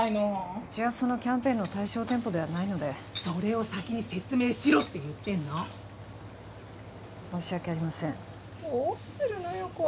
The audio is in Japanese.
うちはそのキャンペーンの対象店舗ではないのでそれを先に説明しろって言ってんの申し訳ありませんどうするのよ